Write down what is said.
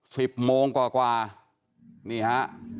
สิบโมงกว่านี่ฮะ